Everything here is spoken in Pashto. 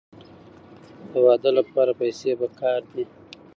د واده لپاره پیسې پکار دي.